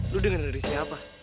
lo denger dari siapa